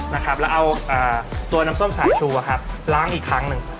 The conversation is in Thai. แล้วเอาน้ำส้มสายชัวร์ล้างอีกครั้งหนึ่ง